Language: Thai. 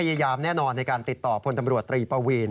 แน่นอนในการติดต่อพลตำรวจตรีปวีน